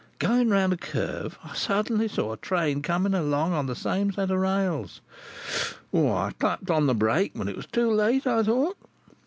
Going round a curve, I suddenly saw a train coming along on the same line of rails. I clapped on the brake, but it was too late, I thought.